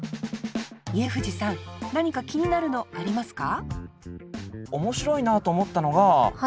家藤さん何か気になるのありますか？